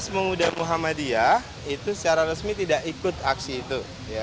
pemuda muhammadiyah itu secara resmi tidak ikut aksi itu